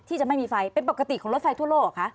ที่จะไม่มีไฟเป็นปกติของรถไฟทั่วโลกเหรอคะ